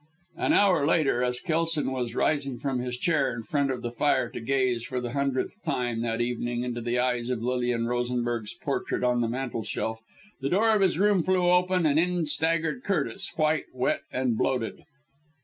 _" An hour later, as Kelson was rising from his chair in front of the fire to gaze, for the hundredth time that evening, into the eyes of Lilian Rosenberg's portrait on the mantelshelf, the door of his room flew open and in staggered Curtis white, wet and bloated.